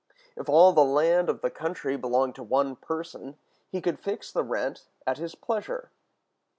If all the land of the country belonged to one person, he could fix the rent at his pleasure.